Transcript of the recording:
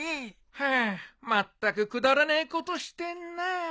まったくくだらねえことしてんな。